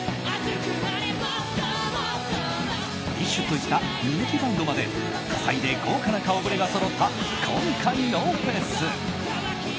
ＤＩＳＨ／／といった人気バンドまで多彩で豪華な顔ぶれがそろった今回のフェス。